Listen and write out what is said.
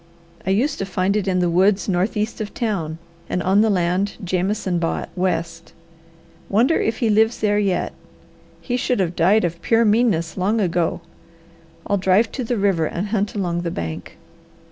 I used to find it in the woods northeast of town and on the land Jameson bought, west. Wonder if he lives there yet. He should have died of pure meanness long ago. I'll drive to the river and hunt along the bank."